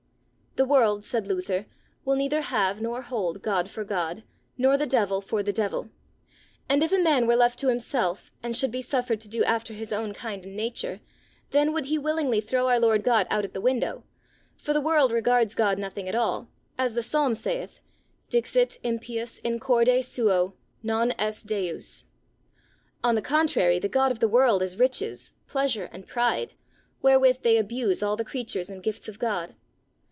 The world, said Luther, will neither have nor hold God for God, nor the devil for the devil. And if a man were left to himself, and should be suffered to do after his own kind and nature, then would he willingly throw our Lord God out at the window; for the world regards God nothing at all, as the Psalm saith, Dixit impius in corde suo, non est Deus. On the contrary, the god of the world is riches, pleasure, and pride, wherewith they abuse all the creatures and gifts of God.